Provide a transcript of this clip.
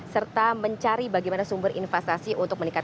serta mencari bagaimana sumber investasi untuk meningkatkan